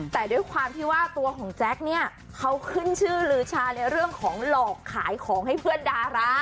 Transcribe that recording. แต่ด้วยความที่ว่าตัวของแจ๊คเนี่ยเขาขึ้นชื่อลือชาในเรื่องของหลอกขายของให้เพื่อนดารา